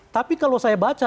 tapi kalau saya baca